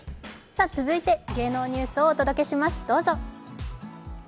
続いて芸能ニュースをお届けします、どうぞ。